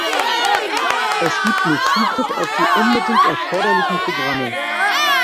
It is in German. Es gibt nur Zugriff auf die unbedingt erforderlichen Programme.